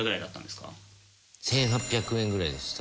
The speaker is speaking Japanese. １８００円ぐらいです